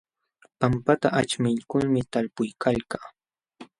Pampata aćhmiykulmi talpuykalkaa.